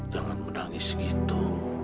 jangan menangis begitu